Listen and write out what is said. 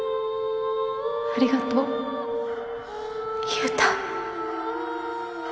ありがとう優太。